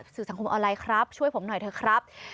สื่อสังคมออนไลน์ครับช่วยผมหน่อยเถอะครับ